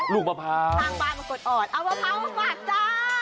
ทางบ้านมากดอ่อนเอามะพร้าวมาก่อนจ้า